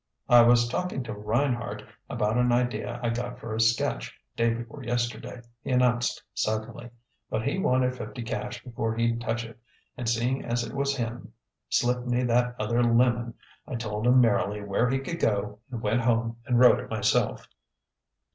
"I was talking to Reinhardt about an idea I got for a sketch, day before yesterday," he announced suddenly. "But he wanted fifty cash before he'd touch it, and seeing as it was him slipped me that other lemon, I told him merrily where he could go and went home and wrote it myself."